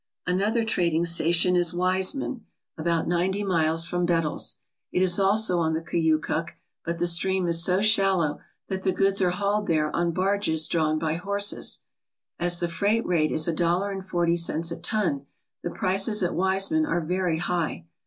Another trading station is Wiseman, about ninety miles from Bettles. It is also on the Koyukuk, but the stream is so shallow that the goods are hauled there on barges drawn by horses. As the freight rate is a dollar and forty cents a ton, the prices at Wiseman are very high.